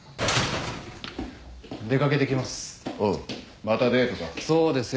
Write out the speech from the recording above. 出掛けてきます。